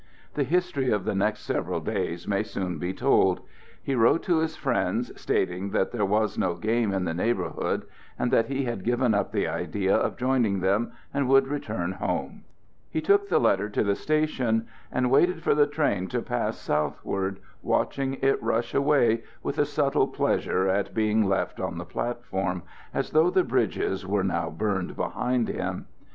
The history of the next several days may soon be told. He wrote to his friends, stating that there was no game in the neighborhood, and that he had given up the idea of joining them and would return home. He took the letter to the station, and waited for the train to pass southward, watching it rush away with a subtle pleasure at being left on the platform, as though the bridges were now burned behind him.